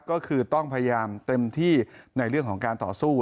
ก็คือต้องพยายามเต็มที่ในเรื่องของการต่อสู้